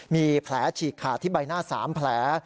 มีแผลฉีกขาดที่ใบหน้า๓แผล